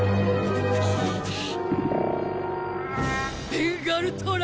ベンガルトラ！